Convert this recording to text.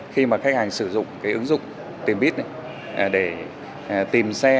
khi khách hàng sử dụng ứng dụng tìm buýt để tìm xe